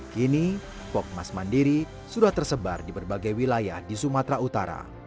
kini pokmas mandiri sudah tersebar di berbagai wilayah di sumatera utara